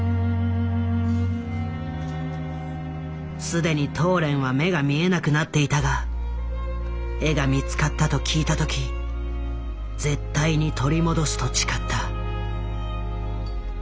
既にトーレンは目が見えなくなっていたが絵が見つかったと聞いた時絶対に取り戻すと誓った。